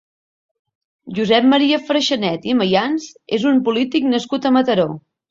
Josep Maria Freixanet i Mayans és un polític nascut a Mataró.